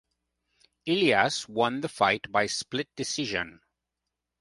Ilias won the fight by split decision.